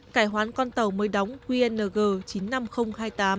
cải hoán con tàu mới đóng qng chín mươi năm nghìn hai mươi tám